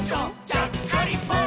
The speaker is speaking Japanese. ちゃっかりポン！」